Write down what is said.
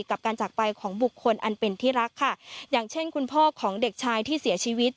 กับการจากไปของบุคคลอันเป็นที่รักค่ะอย่างเช่นคุณพ่อของเด็กชายที่เสียชีวิต